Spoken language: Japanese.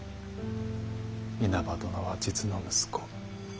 稲葉殿は実の息子。